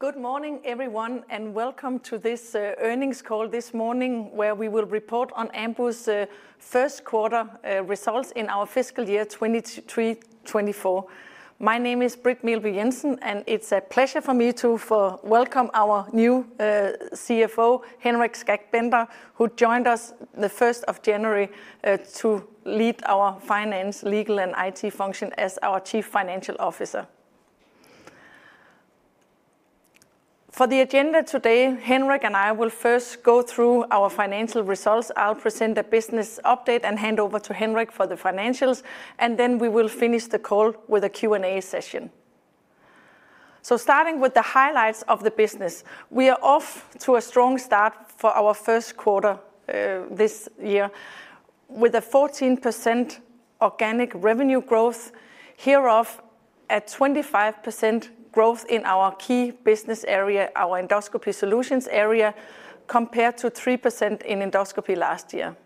Good morning, everyone, and welcome to this earnings call this morning, where we will report on Ambu's first quarter results in our fiscal year 2023-2024. My name is Britt Meelby Jensen, and it's a pleasure for me to welcome our new CFO, Henrik Skak Bender, who joined us the first of January to lead our finance, legal, and IT function as our chief financial officer. For the agenda today, Henrik and I will first go through our financial results. I'll present a business update and hand over to Henrik for the financials, and then we will finish the call with a Q&A session. Starting with the highlights of the business, we are off to a strong start for our first quarter this year, with a 14% organic revenue growth, hereof 25% growth in our key business area, our Endoscopy Solutions area, compared to 3% in endoscopy last year.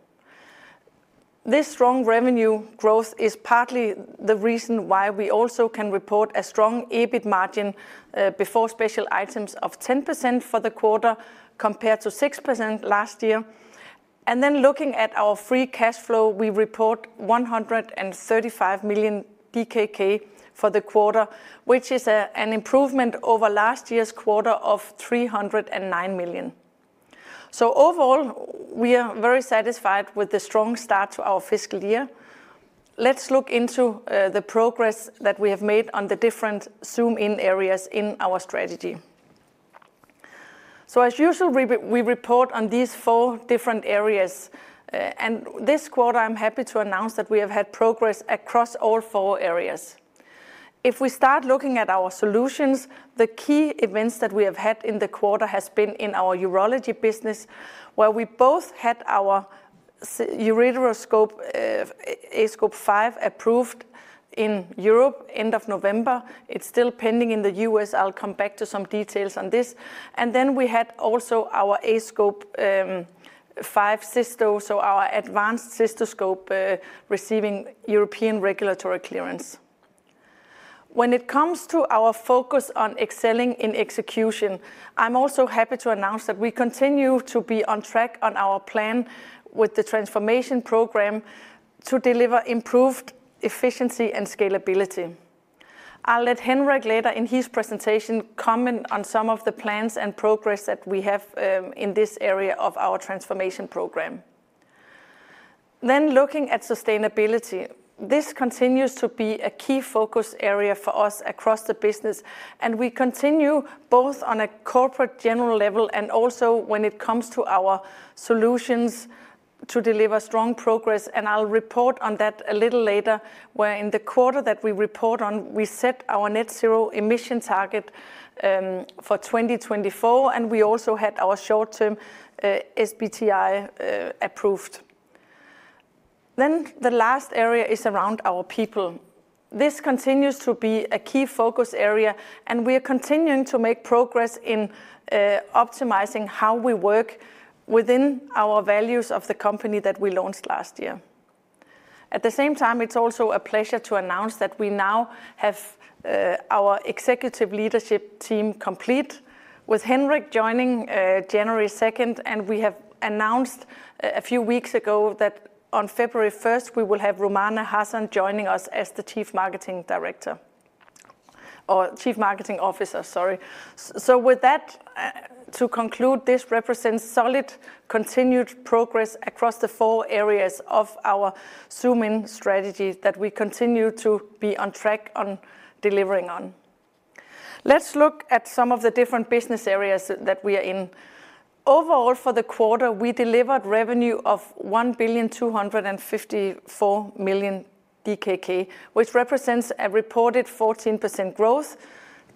This strong revenue growth is partly the reason why we also can report a strong EBIT margin before special items of 10% for the quarter, compared to 6% last year. Then looking at our free cash flow, we report 135 million DKK for the quarter, which is an improvement over last year's quarter of 309 million. So overall, we are very satisfied with the strong start to our fiscal year. Let's look into the progress that we have made on the different Zoom In areas in our strategy. So as usual, we, we report on these four different areas, and this quarter, I'm happy to announce that we have had progress across all four areas. If we start looking at our solutions, the key events that we have had in the quarter has been in our Urology business, where we both had our ureteroscope, aScope 5, approved in Europe end of November. It's still pending in the U.S. I'll come back to some details on this. And then we had also our aScope 5 Cysto, so our advanced cystoscope, receiving European regulatory clearance. When it comes to our focus on excelling in execution, I'm also happy to announce that we continue to be on track on our plan with the transformation program to deliver improved efficiency and scalability. I'll let Henrik, later in his presentation, comment on some of the plans and progress that we have in this area of our transformation program. Then looking at sustainability, this continues to be a key focus area for us across the business, and we continue both on a corporate general level and also when it comes to our solutions to deliver strong progress, and I'll report on that a little later, where in the quarter that we report on, we set our net zero emission target for 2024, and we also had our short-term SBTi approved. Then the last area is around our people. This continues to be a key focus area, and we are continuing to make progress in optimizing how we work within our values of the company that we launched last year. At the same time, it's also a pleasure to announce that we now have our executive leadership team complete, with Henrik joining January 2, and we have announced a few weeks ago that on February 1, we will have Rummana Hasan joining us as the Chief Marketing Director or Chief Marketing Officer, sorry. So with that, to conclude, this represents solid, continued progress across the four areas of our Zoom In strategy that we continue to be on track on delivering on. Let's look at some of the different business areas that we are in. Overall, for the quarter, we delivered revenue of 1,254 million DKK, which represents a reported 14% growth,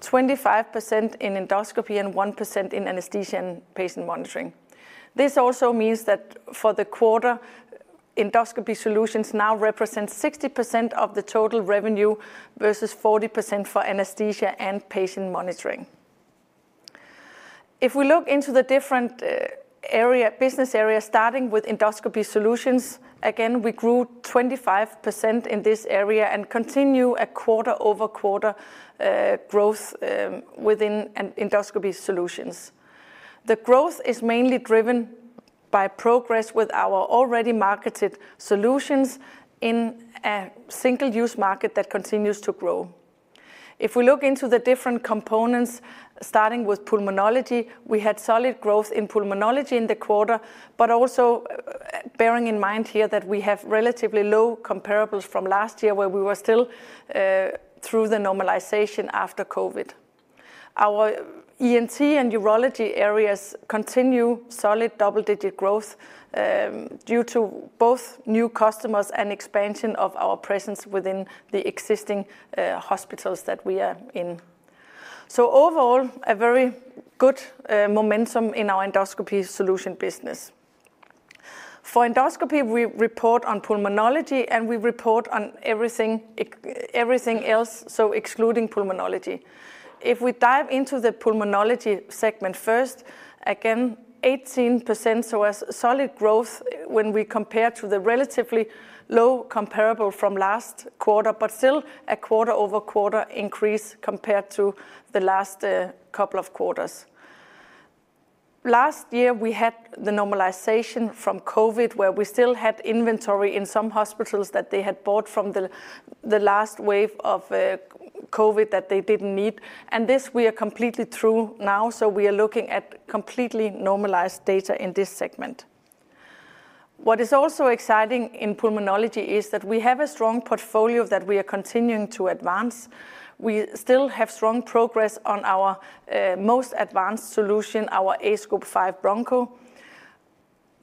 25% in endoscopy and 1% in anesthesia and patient monitoring. This also means that for the quarter, Endoscopy Solutions now represent 60% of the total revenue versus 40% for Anesthesia and Patient Monitoring. If we look into the different area, business areas, starting with Endoscopy Solutions, again, we grew 25% in this area and continue a quarter-over-quarter growth within Endoscopy Solutions. The growth is mainly driven by progress with our already marketed solutions in a single-use market that continues to grow. If we look into the different components, starting with Pulmonology, we had solid growth in Pulmonology in the quarter, but also bearing in mind here that we have relatively low comparables from last year, where we were still through the normalization after COVID. Our ENT and urology areas continue solid double-digit growth due to both new customers and expansion of our presence within the existing hospitals that we are in. So overall, a very good momentum in our endoscopy solution business. For endoscopy, we report on pulmonology, and we report on everything else, so excluding pulmonology. If we dive into the pulmonology segment first, again, 18%, so a solid growth when we compare to the relatively low comparable from last quarter, but still a quarter-over-quarter increase compared to the last couple of quarters. Last year, we had the normalization from COVID, where we still had inventory in some hospitals that they had bought from the last wave of COVID that they didn't need, and this we are completely through now, so we are looking at completely normalized data in this segment. What is also exciting in pulmonology is that we have a strong portfolio that we are continuing to advance. We still have strong progress on our most advanced solution, our aScope 5 Broncho.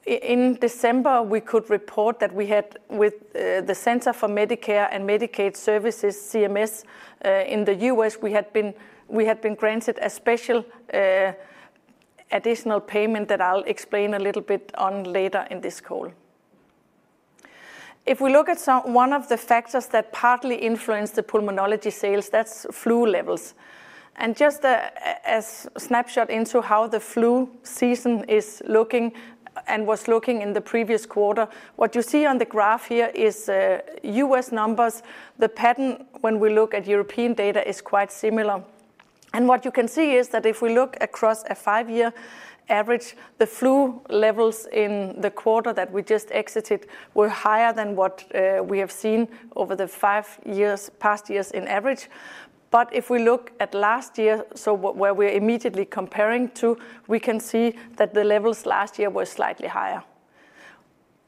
In December, we could report that we had with the Centers for Medicare & Medicaid Services, CMS, in the U.S., we had been granted a special additional payment that I'll explain a little bit on later in this call. If we look at one of the factors that partly influence the pulmonology sales, that's flu levels. Just as a snapshot into how the flu season is looking and was looking in the previous quarter, what you see on the graph here is U.S. numbers. The pattern, when we look at European data, is quite similar, and what you can see is that if we look across a five-year average, the flu levels in the quarter that we just exited were higher than what we have seen over the five years, past years in average. But if we look at last year, so where we're immediately comparing to, we can see that the levels last year were slightly higher.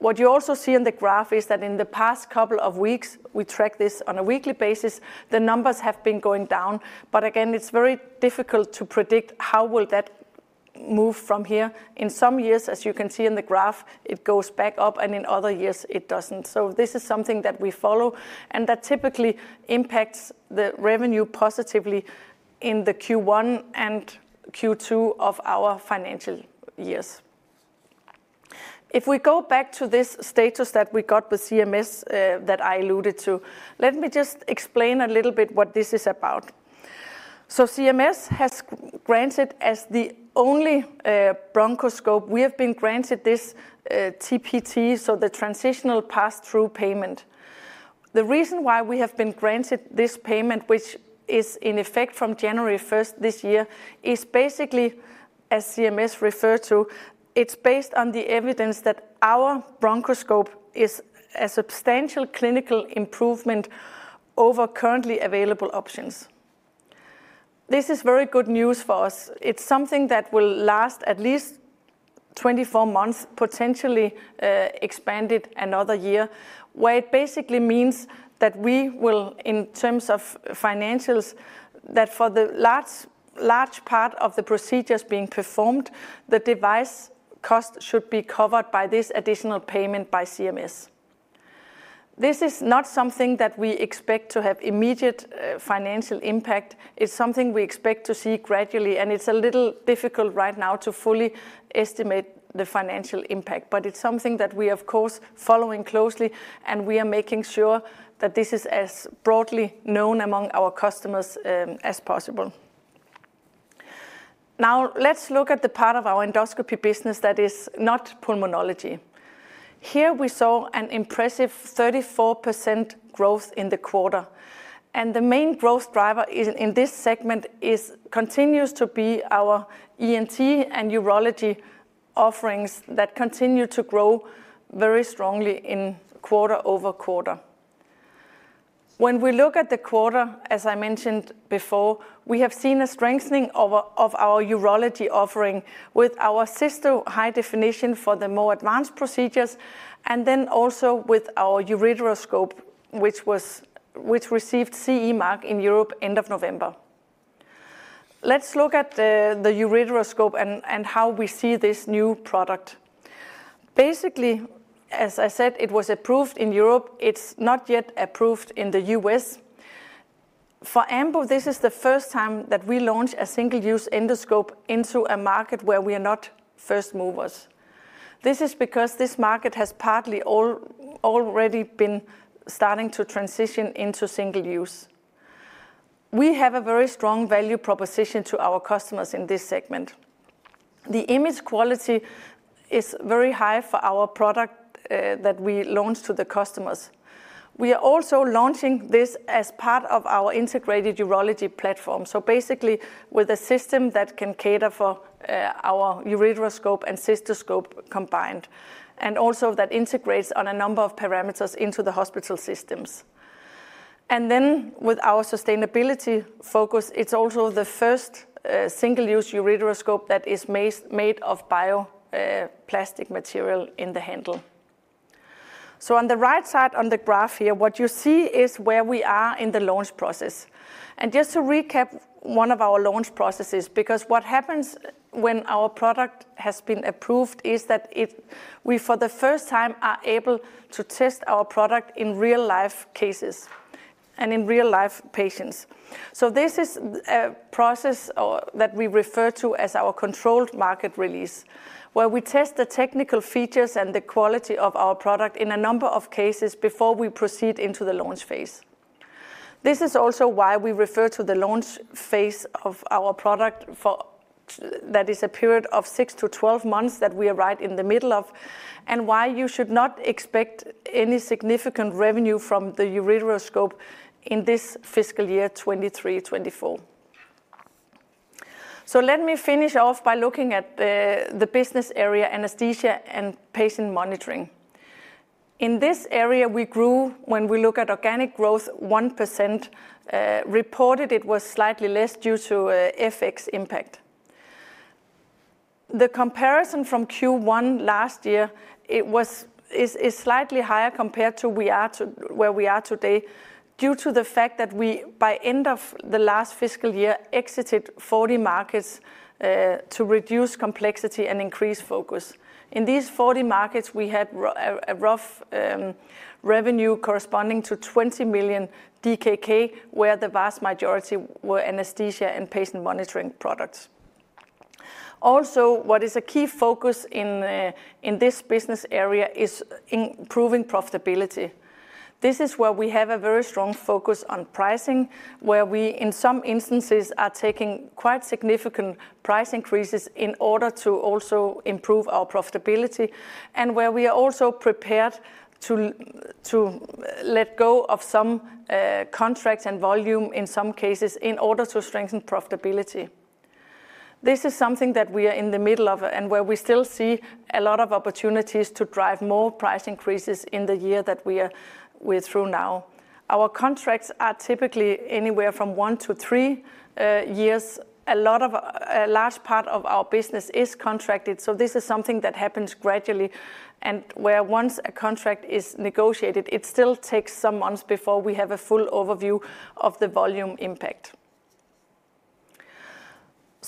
What you also see in the graph is that in the past couple of weeks, we track this on a weekly basis, the numbers have been going down, but again, it's very difficult to predict how will that move from here. In some years, as you can see in the graph, it goes back up, and in other years, it doesn't. So this is something that we follow and that typically impacts the revenue positively in the Q1 and Q2 of our financial years. If we go back to this status that we got with CMS, that I alluded to, let me just explain a little bit what this is about. So CMS has granted, as the only bronchoscope, we have been granted this TPT, so the Transitional Pass-Through Payment. The reason why we have been granted this payment, which is in effect from January first this year, is basically, as CMS referred to, it's based on the evidence that our bronchoscope is a substantial clinical improvement over currently available options. This is very good news for us. It's something that will last at least 24 months, potentially, expanded another year, where it basically means that we will, in terms of financials, that for the large, large part of the procedures being performed, the device cost should be covered by this additional payment by CMS. This is not something that we expect to have immediate, financial impact. It's something we expect to see gradually, and it's a little difficult right now to fully estimate the financial impact. But it's something that we, of course, following closely, and we are making sure that this is as broadly known among our customers, as possible. Now, let's look at the part of our endoscopy business that is not pulmonology. Here, we saw an impressive 34% growth in the quarter, and the main growth driver is, in this segment, continues to be our ENT and urology offerings that continue to grow very strongly quarter-over-quarter. When we look at the quarter, as I mentioned before, we have seen a strengthening of our urology offering with our cysto high definition for the more advanced procedures, and then also with our ureteroscope, which received CE mark in Europe end of November. Let's look at the ureteroscope and how we see this new product. Basically, as I said, it was approved in Europe. It's not yet approved in the U.S. For Ambu, this is the first time that we launch a single-use endoscope into a market where we are not first movers. This is because this market has partly already been starting to transition into single use. We have a very strong value proposition to our customers in this segment. The image quality is very high for our product, that we launch to the customers. We are also launching this as part of our integrated urology platform, so basically with a system that can cater for, our ureteroscope and cystoscope combined, and also that integrates on a number of parameters into the hospital systems. And then, with our sustainability focus, it's also the first, single-use ureteroscope that is made of bioplastic material in the handle. So on the right side on the graph here, what you see is where we are in the launch process. Just to recap one of our launch processes, because what happens when our product has been approved is that we, for the first time, are able to test our product in real-life cases and in real-life patients. So this is a process that we refer to as our controlled market release, where we test the technical features and the quality of our product in a number of cases before we proceed into the launch phase. This is also why we refer to the launch phase of our product for that is a period of 6-12 months that we are right in the middle of, and why you should not expect any significant revenue from the ureteroscope in this fiscal year, 2023-2024. So let me finish off by looking at the business area, anesthesia and patient monitoring. In this area, we grew, when we look at organic growth, 1%. Reported it was slightly less due to a FX impact. The comparison from Q1 last year, it was slightly higher compared to where we are today, due to the fact that we, by end of the last fiscal year, exited 40 markets, to reduce complexity and increase focus. In these 40 markets, we had a rough revenue corresponding to 20 million DKK, where the vast majority were anesthesia and patient monitoring products. Also, what is a key focus in this business area is improving profitability. This is where we have a very strong focus on pricing, where we, in some instances, are taking quite significant price increases in order to also improve our profitability, and where we are also prepared to let go of some contracts and volume, in some cases, in order to strengthen profitability. This is something that we are in the middle of, and where we still see a lot of opportunities to drive more price increases in the year that we're through now. Our contracts are typically anywhere from one to three years. A lot of... A large part of our business is contracted, so this is something that happens gradually, and where once a contract is negotiated, it still takes some months before we have a full overview of the volume impact.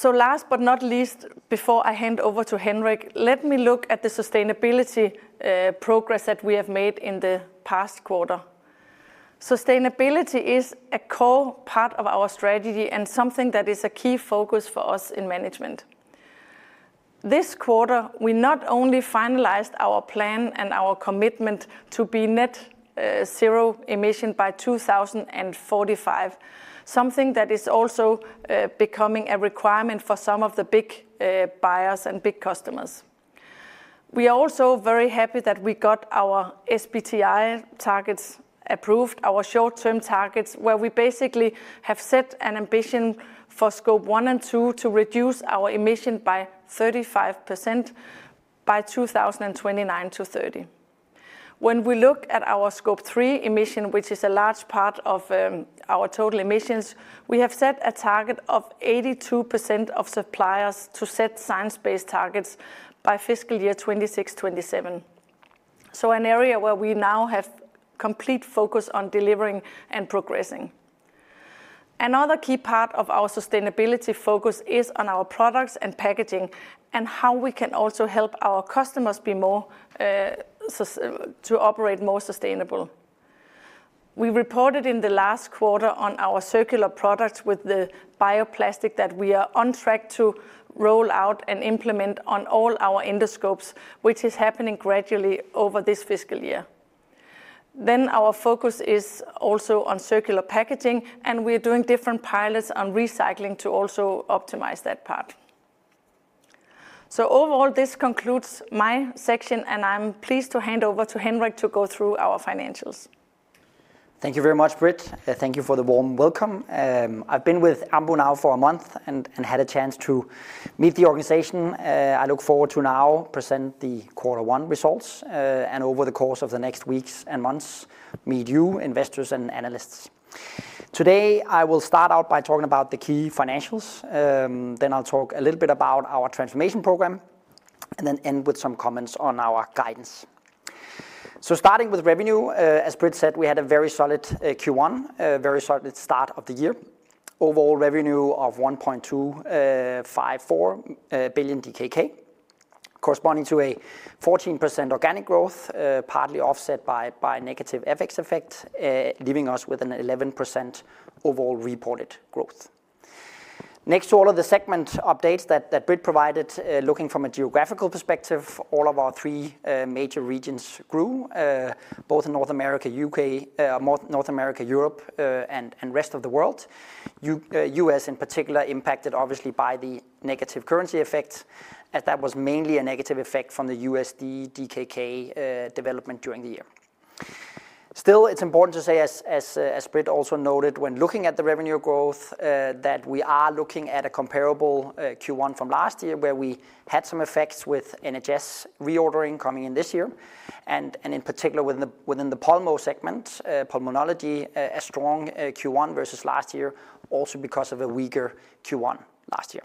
Last but not least, before I hand over to Henrik, let me look at the sustainability progress that we have made in the past quarter. Sustainability is a core part of our strategy and something that is a key focus for us in management. This quarter, we not only finalized our plan and our commitment to be net zero emission by 2045, something that is also becoming a requirement for some of the big buyers and big customers. We are also very happy that we got our SBTi targets approved, our short-term targets, where we basically have set an ambition for Scope 1 and 2 to reduce our emission by 35% by 2029-30. When we look at our Scope 3 emissions, which is a large part of our total emissions, we have set a target of 82% of suppliers to set science-based targets by fiscal year 2026, 2027. So an area where we now have complete focus on delivering and progressing. Another key part of our sustainability focus is on our products and packaging, and how we can also help our customers be more sustainable to operate more sustainable. We reported in the last quarter on our circular products with the bioplastic that we are on track to roll out and implement on all our endoscopes, which is happening gradually over this fiscal year. Then our focus is also on circular packaging, and we are doing different pilots on recycling to also optimize that part. Overall, this concludes my section, and I'm pleased to hand over to Henrik to go through our financials. Thank you very much, Britt. Thank you for the warm welcome. I've been with Ambu now for a month and had a chance to meet the organization. I look forward to now present the Quarter One results, and over the course of the next weeks and months, meet you, investors and analysts. Today, I will start out by talking about the key financials, then I'll talk a little bit about our transformation program, and then end with some comments on our guidance. So starting with revenue, as Britt said, we had a very solid Q1, a very solid start of the year. Overall revenue of 1.254 billion DKK, corresponding to a 14% organic growth, partly offset by negative FX effect, leaving us with an 11% overall reported growth. Next to all of the segment updates that Britt provided, looking from a geographical perspective, all of our three major regions grew, both in North America, UK, North America, Europe, and Rest of World. US in particular, impacted obviously by the negative currency effect, as that was mainly a negative effect from the USD-DKK development during the year. Still, it's important to say, as Britt also noted, when looking at the revenue growth, that we are looking at a comparable Q1 from last year, where we had some effects with NHS reordering coming in this year, and in particular, within the Pulmo segment, pulmonology, a strong Q1 versus last year, also because of a weaker Q1 last year.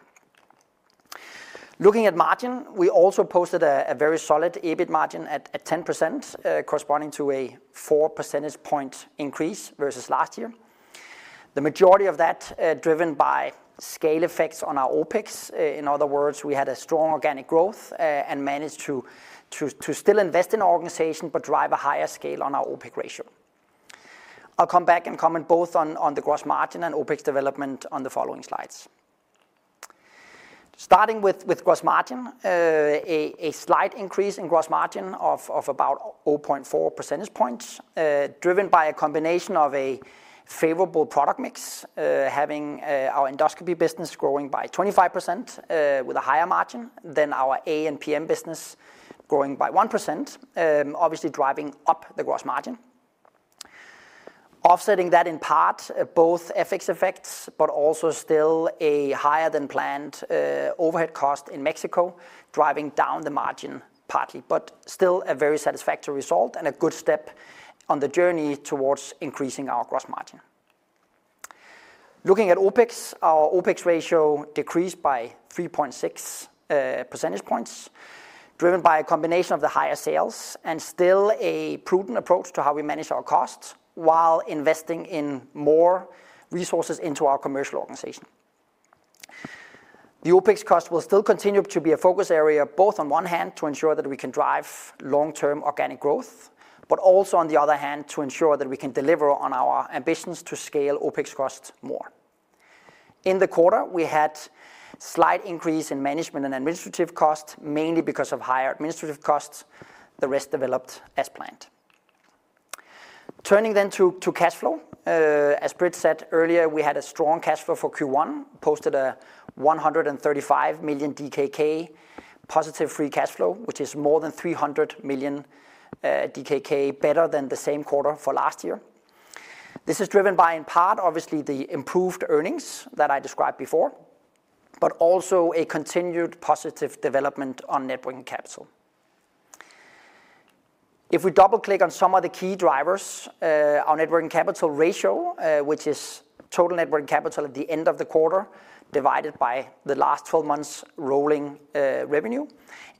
Looking at margin, we also posted a very solid EBIT margin at 10%, corresponding to a four percentage point increase versus last year. The majority of that driven by scale effects on our OpEx. In other words, we had a strong organic growth and managed to still invest in our organization, but drive a higher scale on our OpEx ratio. I'll come back and comment both on the gross margin and OpEx development on the following slides. Starting with gross margin, a slight increase in gross margin of about 0.4 percentage points, driven by a combination of a favorable product mix, having our endoscopy business growing by 25%, with a higher margin than our A and PM business growing by 1%, obviously driving up the gross margin. offsetting that in part, both FX effects, but also still a higher than planned, overhead cost in Mexico, driving down the margin partly, but still a very satisfactory result and a good step on the journey towards increasing our gross margin. Looking at OpEx, our OpEx ratio decreased by 3.6 percentage points, driven by a combination of the higher sales and still a prudent approach to how we manage our costs while investing in more resources into our commercial organization. The OpEx cost will still continue to be a focus area, both on one hand, to ensure that we can drive long-term organic growth, but also on the other hand, to ensure that we can deliver on our ambitions to scale OpEx costs more. In the quarter, we had slight increase in management and administrative costs, mainly because of higher administrative costs. The rest developed as planned. Turning then to cash flow, as Britt said earlier, we had a strong cash flow for Q1, posted a 135 million DKK positive free cash flow, which is more than 300 million DKK better than the same quarter for last year. This is driven by, in part, obviously, the improved earnings that I described before, but also a continued positive development on net working capital. If we double-click on some of the key drivers, our net working capital ratio, which is total net working capital at the end of the quarter, divided by the last 12 months rolling revenue,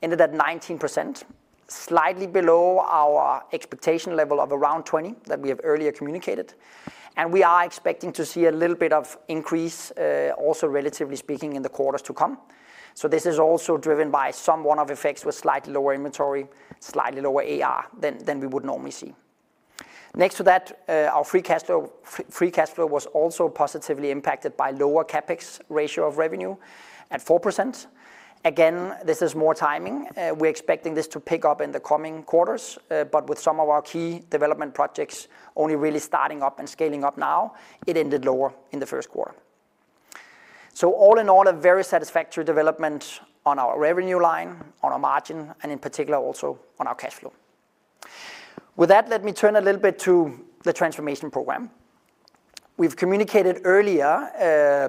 ended at 19%, slightly below our expectation level of around 20% that we have earlier communicated. We are expecting to see a little bit of increase, also, relatively speaking, in the quarters to come. So this is also driven by some one-off effects with slightly lower inventory, slightly lower AR than we would normally see. Next to that, our free cash flow was also positively impacted by lower CapEx ratio of revenue at 4%. Again, this is more timing. We're expecting this to pick up in the coming quarters, but with some of our key development projects only really starting up and scaling up now, it ended lower in the first quarter. So all in all, a very satisfactory development on our revenue line, on our margin, and in particular, also on our cash flow. With that, let me turn a little bit to the transformation program. We've communicated earlier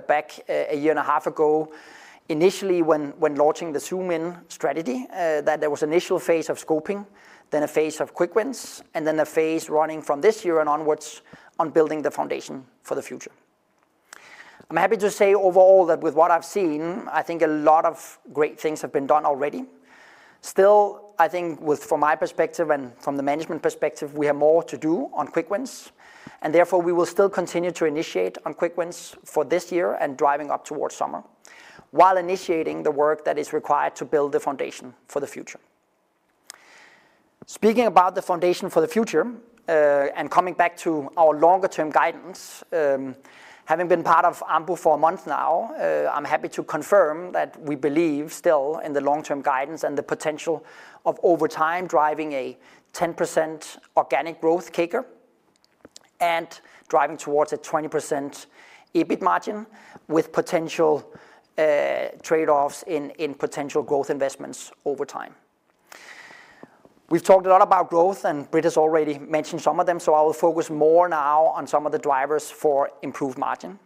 back a year and a half ago, initially, when launching the Zoom In strategy, that there was initial phase of scoping, then a phase of quick wins, and then a phase running from this year and onwards on building the foundation for the future. I'm happy to say overall that with what I've seen, I think a lot of great things have been done already. Still, I think with from my perspective and from the management perspective, we have more to do on quick wins, and therefore, we will still continue to initiate on quick wins for this year and driving up towards summer, while initiating the work that is required to build the foundation for the future. Speaking about the foundation for the future, and coming back to our longer-term guidance, having been part of Ambu for a month now, I'm happy to confirm that we believe still in the long-term guidance and the potential of over time driving a 10% organic growth CAGR, and driving towards a 20% EBIT margin with potential, trade-offs in potential growth investments over time. We've talked a lot about growth, and Britt has already mentioned some of them, so I will focus more now on some of the drivers for improved margin.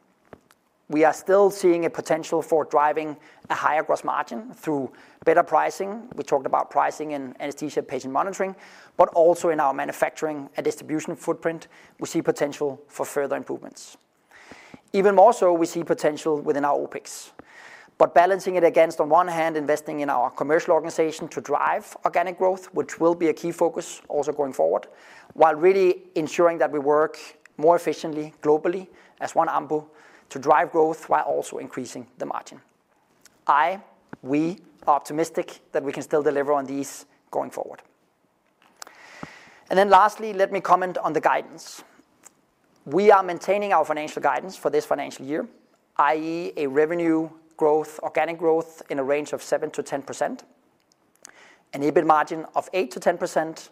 We are still seeing a potential for driving a higher gross margin through better pricing. We talked about pricing in anesthesia patient monitoring, but also in our manufacturing and distribution footprint, we see potential for further improvements. Even more so, we see potential within our OpEx. But balancing it against, on one hand, investing in our commercial organization to drive organic growth, which will be a key focus also going forward, while really ensuring that we work more efficiently, globally as one Ambu, to drive growth while also increasing the margin. I, we, are optimistic that we can still deliver on these going forward. And then lastly, let me comment on the guidance. We are maintaining our financial guidance for this financial year, i.e., a revenue growth, organic growth in a range of 7%-10%, an EBIT margin of 8%-10%,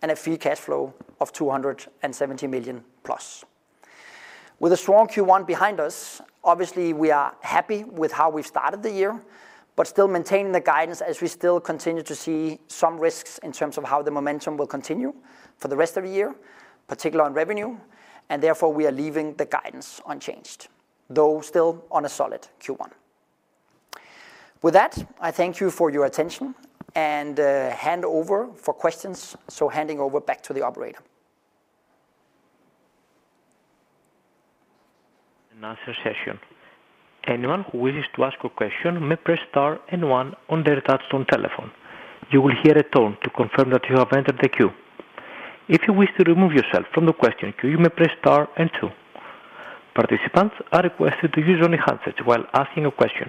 and a free cash flow of 270 million+. With a strong Q1 behind us, obviously, we are happy with how we started the year, but still maintaining the guidance as we still continue to see some risks in terms of how the momentum will continue for the rest of the year, particularly on revenue, and therefore, we are leaving the guidance unchanged, though still on a solid Q1. With that, I thank you for your attention and hand over for questions. Handing over back to the operator.... a Q&A session. Anyone who wishes to ask a question may press Star and One on their touchtone telephone. You will hear a tone to confirm that you have entered the queue. If you wish to remove yourself from the question queue, you may press Star and Two. Participants are requested to use only handsets while asking a question.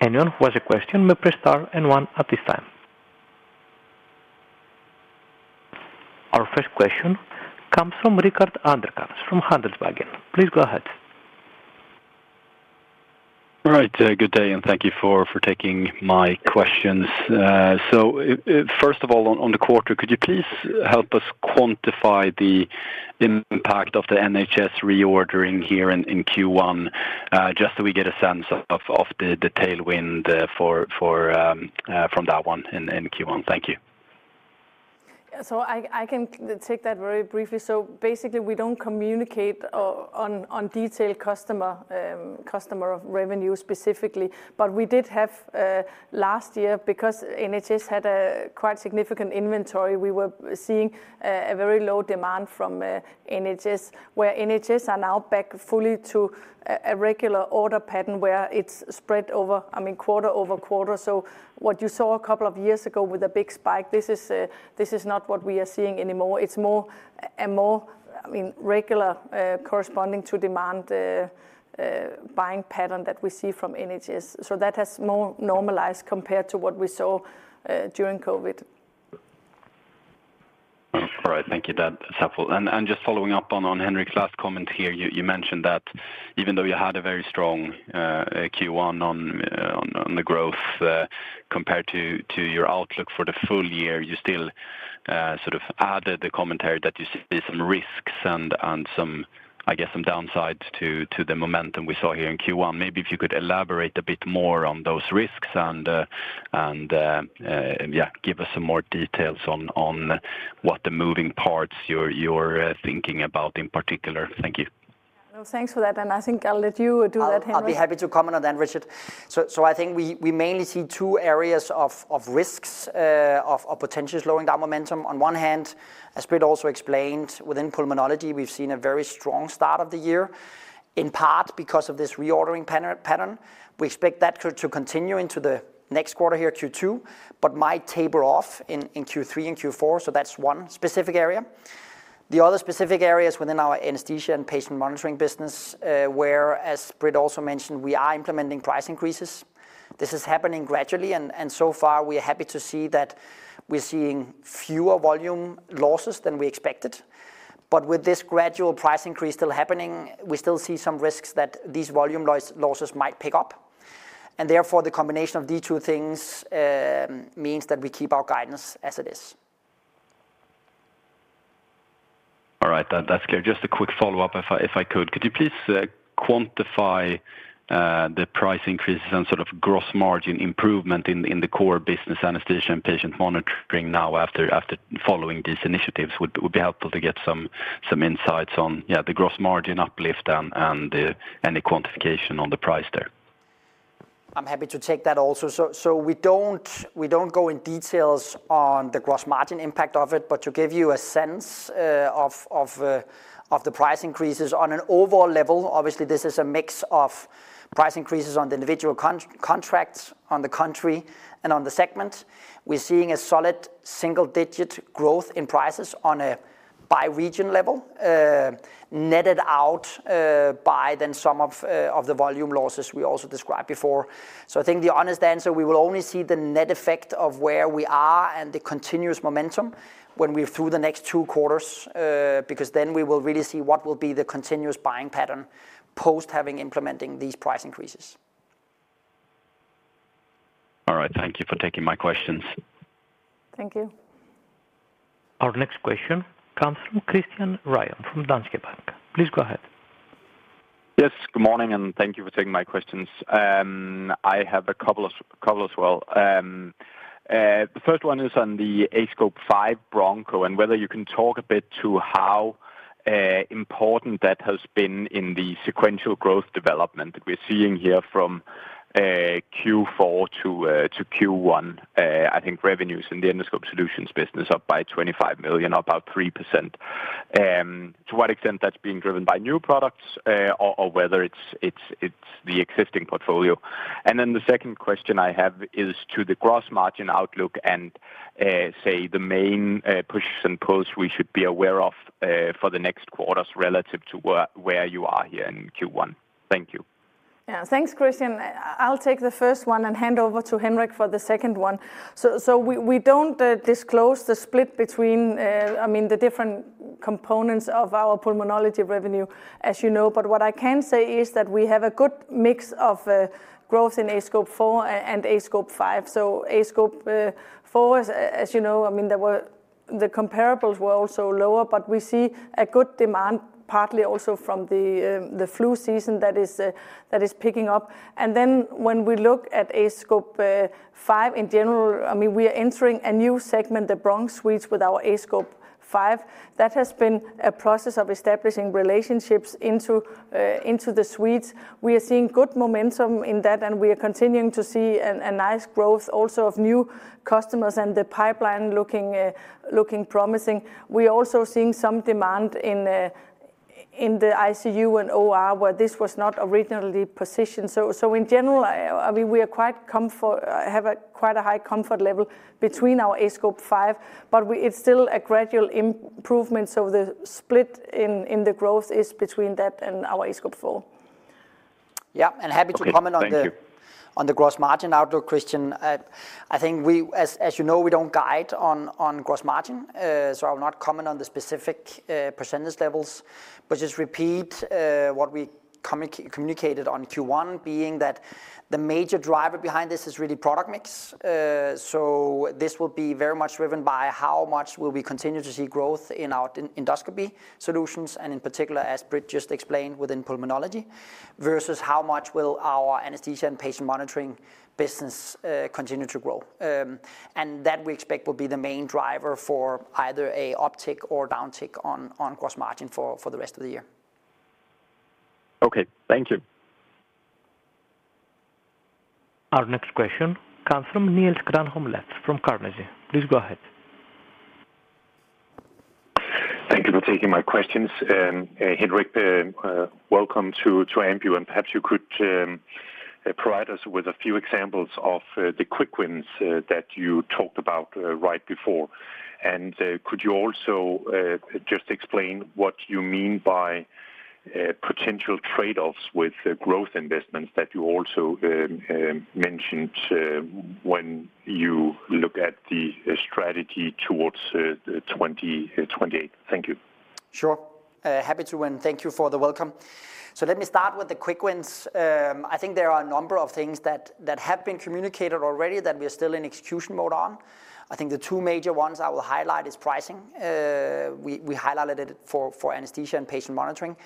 Anyone who has a question may press Star and One at this time. Our first question comes from Rickard Anderkrans from Handelsbanken. Please go ahead. All right, good day, and thank you for taking my questions. So, first of all, on the quarter, could you please help us quantify the impact of the NHS reordering here in Q1, just so we get a sense of the tailwind from that one in Q1? Thank you. ... So I can take that very briefly. So basically, we don't communicate on detailed customer revenue specifically. But we did have last year, because NHS had a quite significant inventory, we were seeing a very low demand from NHS. Where NHS are now back fully to a regular order pattern, where it's spread over, I mean, quarter over quarter. So what you saw a couple of years ago with a big spike, this is not what we are seeing anymore. It's more, I mean, regular corresponding to demand buying pattern that we see from NHS. So that has more normalized compared to what we saw during COVID. All right. Thank you, that's helpful. And just following up on Henrik's last comment here, you mentioned that even though you had a very strong Q1 on the growth compared to your outlook for the full year, you still sort of added the commentary that you see some risks and some downsides to the momentum we saw here in Q1. Maybe if you could elaborate a bit more on those risks and yeah, give us some more details on what the moving parts you're thinking about in particular. Thank you. Well, thanks for that, and I think I'll let you do that, Henrik. I'll be happy to comment on that, Rickard. So I think we mainly see two areas of risks of potentially slowing down momentum. On one hand, as Britt also explained, within pulmonology, we've seen a very strong start of the year, in part because of this reordering pattern. We expect that to continue into the next quarter here, Q2, but might taper off in Q3 and Q4, so that's one specific area. The other specific areas within our anesthesia and patient monitoring business, where, as Britt also mentioned, we are implementing price increases. This is happening gradually, and so far we are happy to see that we're seeing fewer volume losses than we expected. But with this gradual price increase still happening, we still see some risks that these volume losses might pick up, and therefore, the combination of these two things means that we keep our guidance as it is. All right. That's clear. Just a quick follow-up if I could. Could you please quantify the price increases and sort of gross margin improvement in the core business anesthesia and patient monitoring now after following these initiatives? Would be helpful to get some insights on, yeah, the gross margin uplift and any quantification on the price there. I'm happy to take that also. So we don't go in details on the gross margin impact of it, but to give you a sense of the price increases, on an overall level, obviously this is a mix of price increases on the individual contracts, on the country, and on the segment. We're seeing a solid single-digit growth in prices on a by region level, netted out by then some of the volume losses we also described before. So I think the honest answer, we will only see the net effect of where we are and the continuous momentum when we're through the next two quarters, because then we will really see what will be the continuous buying pattern post having implementing these price increases. All right. Thank you for taking my questions. Thank you. Our next question comes from Christian Ryom from Danske Bank. Please go ahead. Yes, good morning, and thank you for taking my questions. I have a couple of, couple as well. The first one is on the aScope 5 Broncho, and whether you can talk a bit to how important that has been in the sequential growth development that we're seeing here from Q4 to Q1. I think revenues in the Endoscopy Solutions business are up by 25 million, about 3%. To what extent that's being driven by new products, or whether it's the existing portfolio? And then the second question I have is to the gross margin outlook and, say, the main pushes and pulls we should be aware of for the next quarters relative to where you are here in Q1. Thank you. Yeah. Thanks, Christian. I'll take the first one and hand over to Henrik for the second one. So we don't disclose the split between, I mean, the different components of our pulmonology revenue, as you know. But what I can say is that we have a good mix of growth in aScope 4 and aScope 5. So aScope 4, as you know, I mean, there were... The comparables were also lower, but we see a good demand, partly also from the flu season that is picking up. And then when we look at aScope 5 in general, I mean, we are entering a new segment, the bronch suites, with our aScope 5. That has been a process of establishing relationships into the suites. We are seeing good momentum in that, and we are continuing to see a nice growth also of new customers and the pipeline looking promising. We are also seeing some demand in the ICU and OR, where this was not originally positioned. So in general, I mean, we are quite comfortable. We have a quite high comfort level between our aScope 5, but it's still a gradual improvement, so the split in the growth is between that and our aScope 4. Yeah, and happy to comment on the- Okay. Thank you... on the gross margin outlook, Christian. I think we, as you know, we don't guide on gross margin, so I'll not comment on the specific percentage levels, but just repeat what we communicated on Q1, being that the major driver behind this is really product mix. So this will be very much driven by how much will we continue to see growth in our endoscopy solutions, and in particular, as Britt just explained, within pulmonology, versus how much will our anesthesia and patient monitoring business continue to grow. And that we expect will be the main driver for either a uptick or downtick on gross margin for the rest of the year. ... Okay, thank you. Our next question comes from Niels Granholm-Leth from Carnegie. Please go ahead. Thank you for taking my questions. Henrik, welcome to Ambu, and perhaps you could provide us with a few examples of the quick wins that you talked about right before. Could you also just explain what you mean by potential trade-offs with the growth investments that you also mentioned when you look at the strategy towards 2028? Thank you. Sure. Happy to, and thank you for the welcome. So let me start with the quick wins. I think there are a number of things that have been communicated already that we are still in execution mode on. I think the two major ones I will highlight is pricing. We highlighted it for anesthesia and patient monitoring,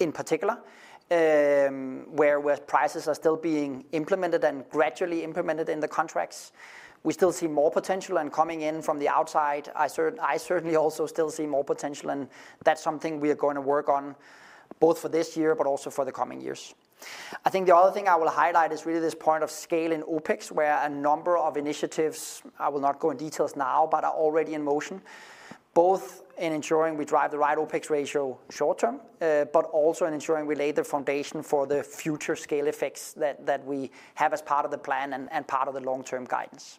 in particular, where prices are still being implemented and gradually implemented in the contracts. We still see more potential, and coming in from the outside, I certainly also still see more potential, and that's something we are going to work on both for this year but also for the coming years. I think the other thing I will highlight is really this point of scale in OpEx, where a number of initiatives, I will not go into details now, but are already in motion, both in ensuring we drive the right OpEx ratio short term, but also in ensuring we lay the foundation for the future scale effects that we have as part of the plan and part of the long-term guidance.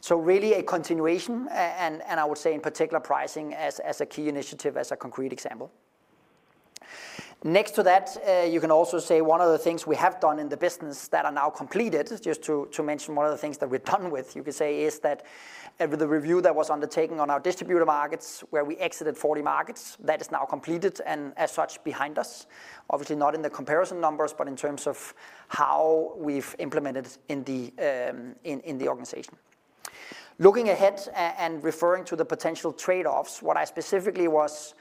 So really a continuation, and I would say in particular, pricing as a key initiative, as a concrete example. Next to that, you can also say one of the things we have done in the business that are now completed, just to mention one of the things that we're done with, you could say, is that, with the review that was undertaken on our distributor markets, where we exited 40 markets, that is now completed and as such, behind us. Obviously, not in the comparison numbers, but in terms of how we've implemented in the organization. Looking ahead and referring to the potential trade-offs, what I specifically was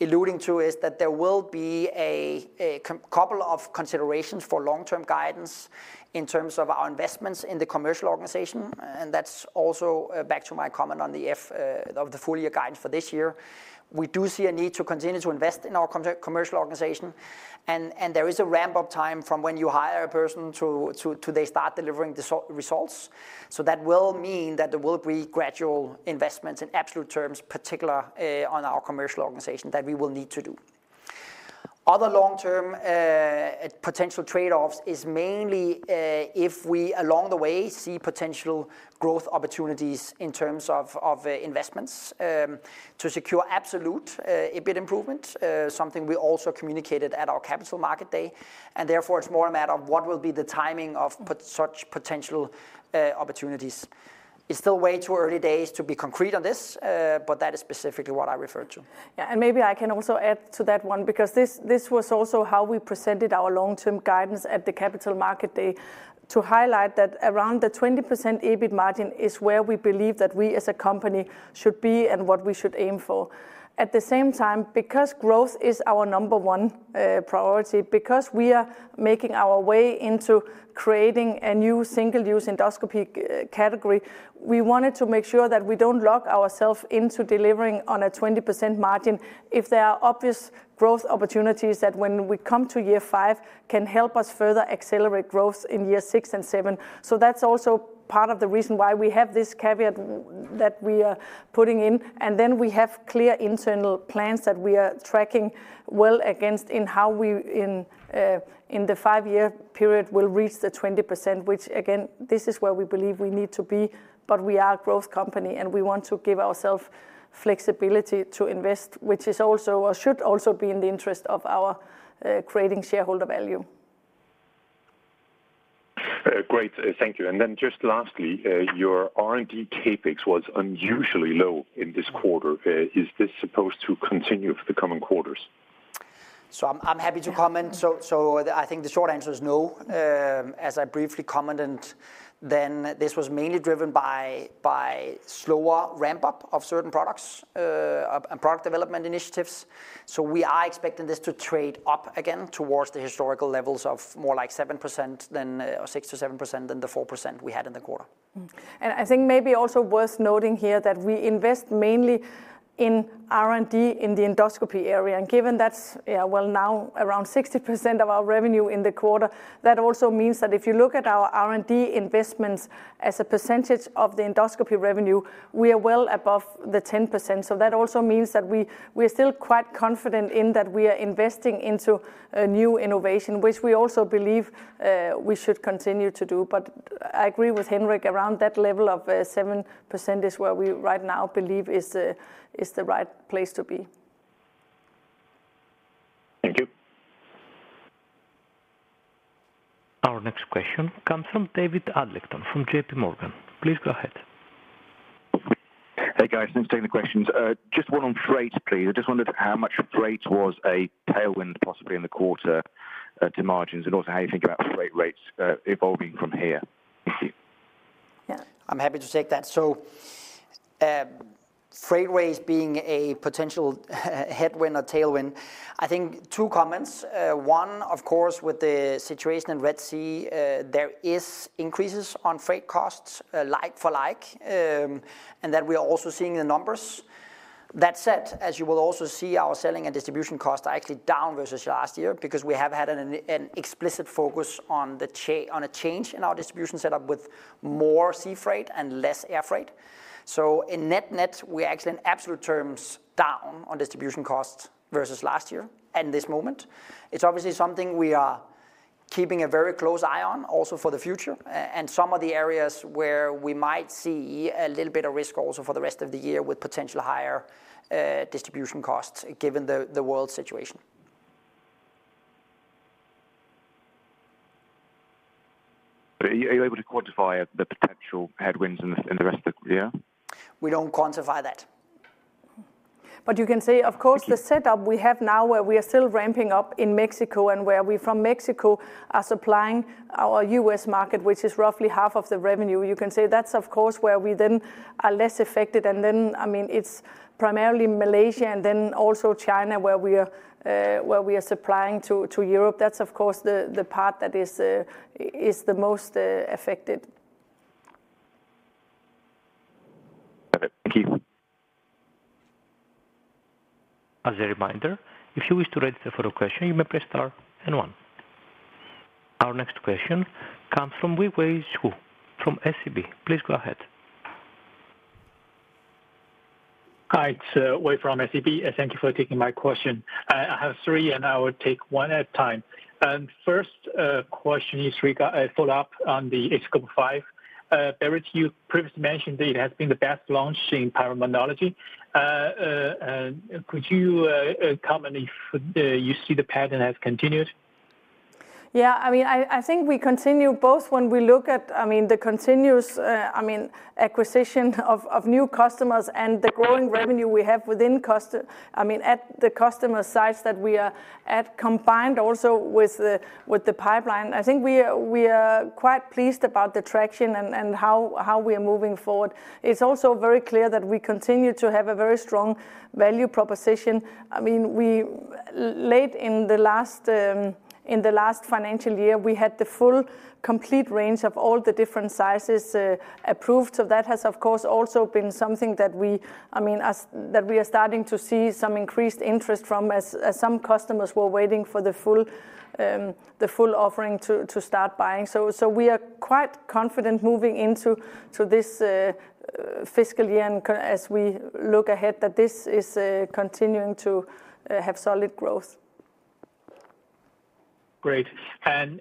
alluding to is that there will be a couple of considerations for long-term guidance in terms of our investments in the commercial organization, and that's also back to my comment on the full year guidance for this year. We do see a need to continue to invest in our commercial organization, and there is a ramp-up time from when you hire a person to till they start delivering the results. So that will mean that there will be gradual investments in absolute terms, particularly on our commercial organization, that we will need to do. Other long-term potential trade-offs is mainly if we, along the way, see potential growth opportunities in terms of investments to secure absolute EBIT improvement, something we also communicated at our Capital Market Day. And therefore, it's more a matter of what will be the timing of such potential opportunities. It's still way too early days to be concrete on this, but that is specifically what I referred to. Yeah, and maybe I can also add to that one, because this was also how we presented our long-term guidance at the Capital Market Day, to highlight that around the 20% EBIT margin is where we believe that we as a company should be and what we should aim for. At the same time, because growth is our number one priority, because we are making our way into creating a new single-use endoscopy category, we wanted to make sure that we don't lock ourself into delivering on a 20% margin if there are obvious growth opportunities that when we come to year five, can help us further accelerate growth in year six and seven. So that's also part of the reason why we have this caveat that we are putting in, and then we have clear internal plans that we are tracking well against in how we in the five-year period will reach the 20%, which again, this is where we believe we need to be, but we are a growth company, and we want to give ourself flexibility to invest, which is also, or should also be in the interest of our creating shareholder value. Great. Thank you. And then just lastly, your R&D CapEx was unusually low in this quarter. Is this supposed to continue for the coming quarters? I'm happy to comment. Yeah. I think the short answer is no. As I briefly commented, then this was mainly driven by slower ramp-up of certain products and product development initiatives. So we are expecting this to trade up again towards the historical levels of more like 7% than or 6%-7% than the 4% we had in the quarter. Mm-hmm. I think maybe also worth noting here that we invest mainly in R&D in the endoscopy area, and given that's, well now, around 60% of our revenue in the quarter, that also means that if you look at our R&D investments as a percentage of the endoscopy revenue, we are well above the 10%. So that also means that we're still quite confident in that we are investing into a new innovation, which we also believe we should continue to do. But I agree with Henrik, around that level of 7% is where we right now believe is the right place to be. Thank you. Our next question comes from David Adlington from JPMorgan. Please go ahead. Hey, guys. Thanks for taking the questions. Just one on freight, please. I just wondered how much freight was a tailwind, possibly in the quarter, to margins, and also how you think about freight rates, evolving from here? Thank you.... I'm happy to take that. So, freight rates being a potential headwind or tailwind, I think two comments. One, of course, with the situation in Red Sea, there is increases on freight costs, like for like, and that we are also seeing the numbers. That said, as you will also see, our selling and distribution costs are actually down versus last year because we have had an explicit focus on a change in our distribution setup with more sea freight and less air freight. So in net-net, we're actually in absolute terms, down on distribution costs versus last year and this moment. It's obviously something we are keeping a very close eye on, also for the future, and some of the areas where we might see a little bit of risk also for the rest of the year, with potential higher distribution costs, given the world situation. Are you able to quantify the potential headwinds in the rest of the year? We don't quantify that. But you can say, of course- Thank you. The setup we have now, where we are still ramping up in Mexico and where we from Mexico are supplying our U.S. market, which is roughly half of the revenue. You can say that's, of course, where we then are less affected. And then, I mean, it's primarily Malaysia and then also China, where we are supplying to Europe. That's, of course, the part that is the most affected. Thank you. As a reminder, if you wish to register for a question, you may press star and 1. Our next question comes from Weiwei Xu from SEB. Please go ahead. Hi, it's Wei from SEB, thank you for taking my question. I have three, and I will take one at a time. First question is a follow-up on the A-Scope Five. Britt, you previously mentioned that it has been the best launch in pulmonology. Could you comment if you see the pattern has continued? Yeah, I mean, I think we continue both when we look at, I mean, the continuous acquisition of new customers and the growing revenue we have within at the customer sites that we are at, combined also with the pipeline. I think we are quite pleased about the traction and how we are moving forward. It's also very clear that we continue to have a very strong value proposition. I mean, late in the last financial year, we had the full complete range of all the different sizes approved. So that has, of course, also been something that we, I mean, that we are starting to see some increased interest from, as some customers were waiting for the full offering to start buying. So, we are quite confident moving into this fiscal year and, as we look ahead, that this is continuing to have solid growth. Great. And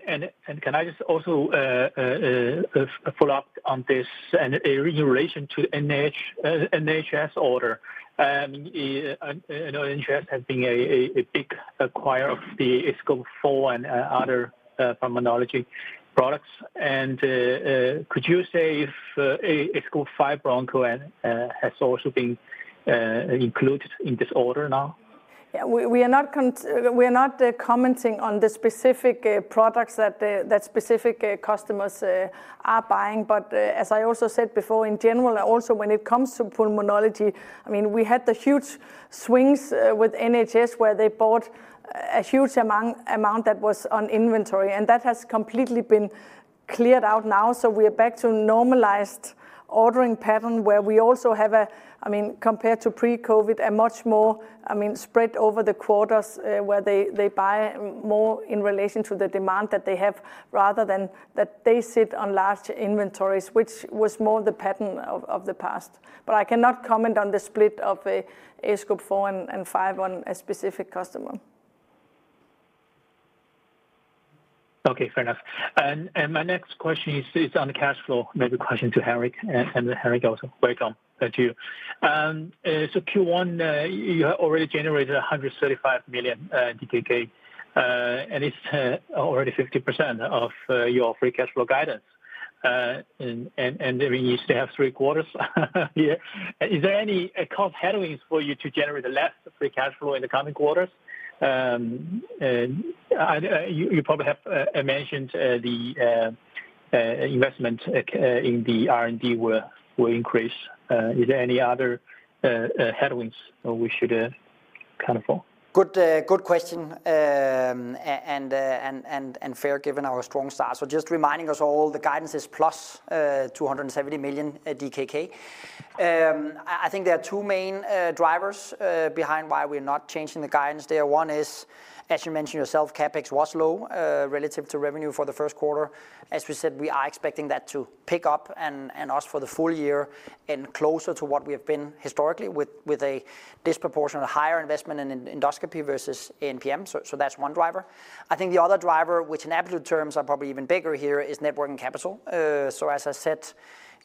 can I just also have a follow-up on this and in relation to the NHS order? I know NHS has been a big acquirer of the aScope 4 and other pulmonology products. And could you say if aScope 5 Broncho has also been included in this order now? Yeah, we are not commenting on the specific products that the specific customers are buying. But as I also said before, in general, also, when it comes to pulmonology, I mean, we had the huge swings with NHS, where they bought a huge amount that was on inventory, and that has completely been cleared out now. So we are back to normalized ordering pattern, where we also have a, I mean, compared to pre-COVID, a much more, I mean, spread over the quarters, where they buy more in relation to the demand that they have, rather than that they sit on large inventories, which was more the pattern of the past. But I cannot comment on the split of the aScope 4 and 5 on a specific customer. Okay, fair enough. And my next question is on the cash flow, maybe a question to Henrik, and Henrik also welcome to you. So Q1, you have already generated 135 million DKK, and it's already 50% of your free cash flow guidance. And you still have three quarters here. Is there any cost headwinds for you to generate less free cash flow in the coming quarters? And you probably have mentioned the investment in the R&D will increase. Is there any other headwinds we should account for? Good, good question. Fair, given our strong start. So just reminding us all, the guidance is + 270 million DKK. I think there are two main drivers behind why we're not changing the guidance there. One is, as you mentioned yourself, CapEx was low relative to revenue for the first quarter. As we said, we are expecting that to pick up and also for the full year and closer to what we have been historically, with a disproportionate higher investment in endoscopy versus in PM. So that's one driver. I think the other driver, which in absolute terms are probably even bigger here, is net working capital. So as I said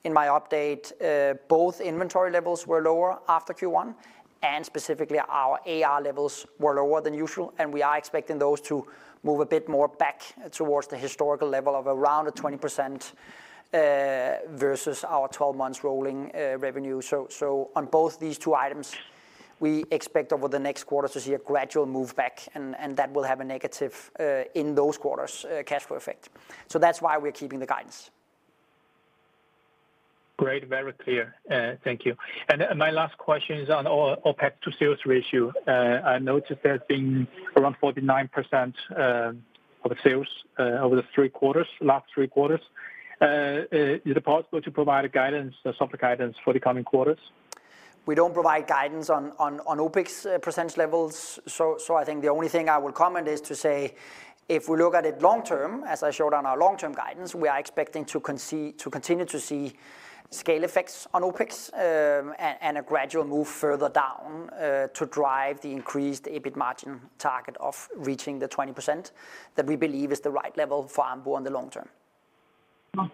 in my update, both inventory levels were lower after Q1, and specifically, our AR levels were lower than usual, and we are expecting those to move a bit more back towards the historical level of around 20% versus our 12 months rolling revenue. So on both these two items, we expect over the next quarter to see a gradual move back, and that will have a negative, in those quarters, cash flow effect. So that's why we're keeping the guidance. Great, very clear. Thank you. And my last question is on OpEx to sales ratio. I noticed there's been around 49% of sales over the three quarters, last three quarters. Is it possible to provide a guidance, a softer guidance for the coming quarters? We don't provide guidance on OpEx percentage levels. So I think the only thing I will comment is to say, if we look at it long term, as I showed on our long-term guidance, we are expecting to continue to see scale effects on OpEx, and a gradual move further down, to drive the increased EBIT margin target of reaching the 20%, that we believe is the right level for Ambu on the long term. Oh.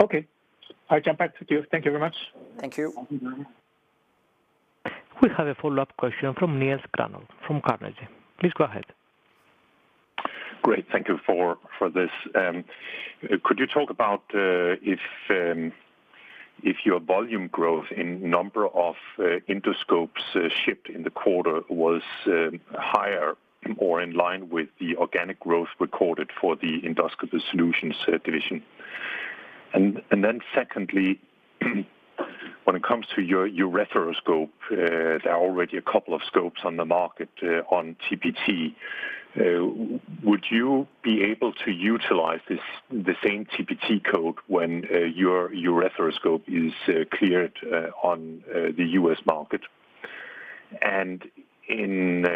Okay. I'll jump back to you. Thank you very much. Thank you. We have a follow-up question from Niels Granholm-Leth from Carnegie. Please go ahead. Great, thank you for this. Could you talk about if your volume growth in number of endoscopes shipped in the quarter was higher or in line with the organic growth recorded for the Endoscopy Solutions division? And then secondly, when it comes to your ureteroscope, there are already a couple of scopes on the market on TPT. Would you be able to utilize this, the same TPT code when your ureteroscope is cleared on the U.S. market? And in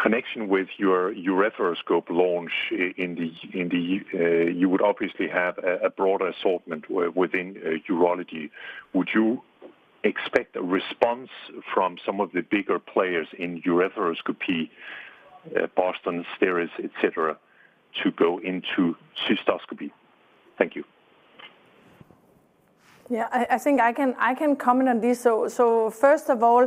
connection with your ureteroscope launch, you would obviously have a broader assortment within urology. Would you expect a response from some of the bigger players in ureteroscopy, Boston, Steris, et cetera, to go into cystoscopy? Thank you. Yeah, I think I can comment on this. So first of all,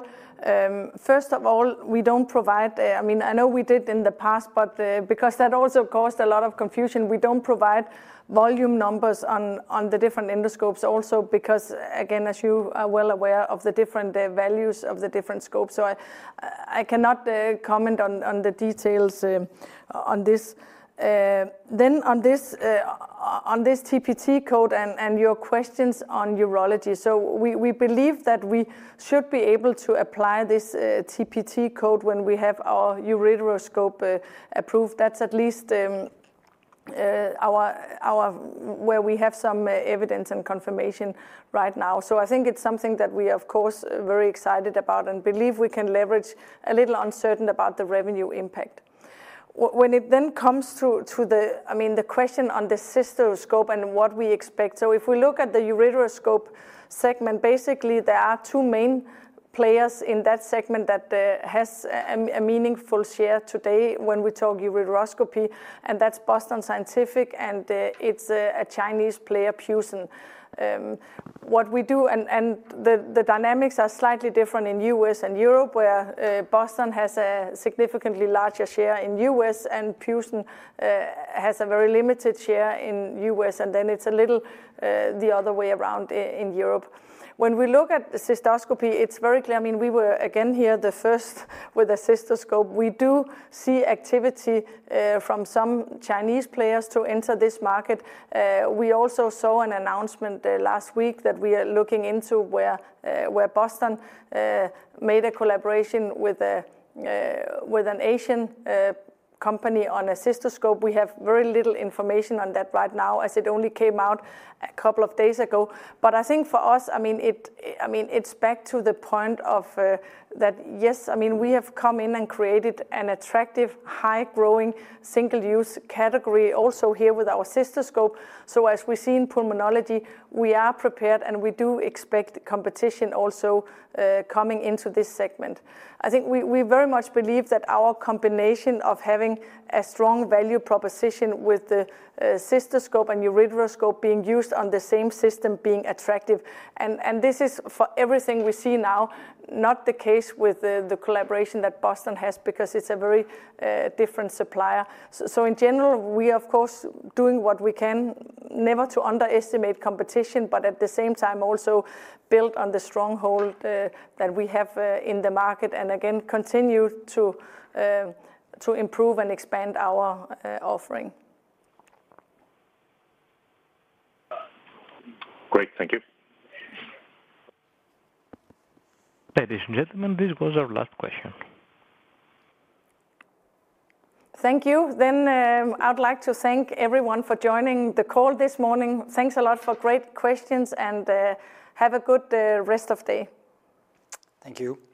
first of all, we don't provide... I mean, I know we did in the past, but because that also caused a lot of confusion, we don't provide volume numbers on the different endoscopes. Also, because again, as you are well aware of the different values of the different scopes. So I cannot comment on the details on this. Then on this TPT code and your questions on urology. So we believe that we should be able to apply this TPT code when we have our ureteroscope approved. That's at least our where we have some evidence and confirmation right now. So I think it's something that we, of course, are very excited about and believe we can leverage, a little uncertain about the revenue impact. When it then comes to, to the, I mean, the question on the cystoscope and what we expect. So if we look at the ureteroscope segment, basically, there are two main players in that segment that has a meaningful share today when we talk ureteroscopy, and that's Boston Scientific, and it's a Chinese player, Pusen. What we do and the dynamics are slightly different in U.S. and Europe, where Boston has a significantly larger share in U.S., and Pusen has a very limited share in U.S., and then it's a little the other way around in Europe. When we look at cystoscopy, it's very clear. I mean, we were again here, the first with a cystoscope. We do see activity from some Chinese players to enter this market. We also saw an announcement last week that we are looking into, where Boston made a collaboration with an Asian company on a cystoscope. We have very little information on that right now, as it only came out a couple of days ago. But I think for us, I mean, it's back to the point of that, yes, I mean, we have come in and created an attractive, high-growing, single-use category also here with our cystoscope. So as we see in pulmonology, we are prepared, and we do expect competition also coming into this segment. I think we very much believe that our combination of having a strong value proposition with the cystoscope and ureteroscope being used on the same system being attractive. And this is for everything we see now, not the case with the collaboration that Boston has, because it's a very different supplier. So in general, we are, of course, doing what we can, never to underestimate competition, but at the same time, also build on the stronghold that we have in the market, and again, continue to improve and expand our offering. Great. Thank you. Ladies and gentlemen, this was our last question. Thank you. Then, I'd like to thank everyone for joining the call this morning. Thanks a lot for great questions, and have a good rest of day. Thank you.